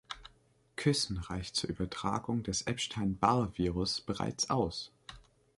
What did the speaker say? Küssen reicht zur Übertragung des Epstein-Barr-Virus bereits aus.